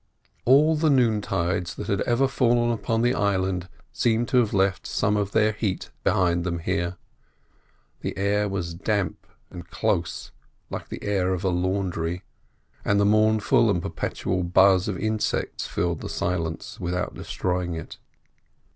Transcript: All the noontides that had ever fallen upon the island seemed to have left some of their heat behind them here. The air was damp and close like the air of a laundry; and the mournful and perpetual buzz of insects filled the silence without destroying it.